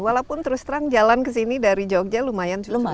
walaupun terus terang jalan ke sini dari jogja lumayan cukup